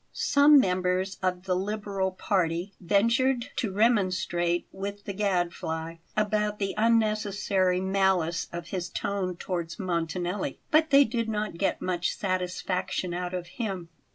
Some members of the liberal party ventured to remonstrate with the Gadfly about the unnecessary malice of his tone towards Montanelli; but they did not get much satisfaction out of him.